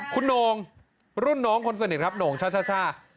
คุณโหน่งรุ่นน้องคนสนิทครับโหน่งช่า